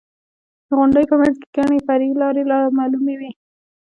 د غونډیو په منځ کې ګڼې فرعي لارې رامعلومې وې.